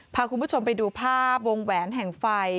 พาคุณผู้ชมไปดูภาพวงแหวนแห่งไฟ